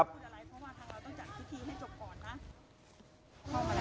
พี่บอกว่าพี่แม้งอยากโทษ